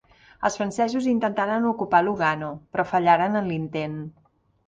Els francesos intentaren ocupar Lugano, però fallaren en l'intent.